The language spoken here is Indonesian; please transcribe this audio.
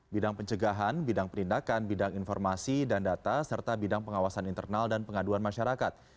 bidang pencegahan bidang penindakan bidang informasi dan data serta bidang pengawasan internal dan pengaduan masyarakat